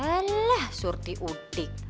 elah surti utik